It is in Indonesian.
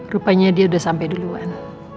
rupanya dia udah sampai duluan